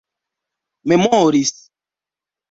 memoris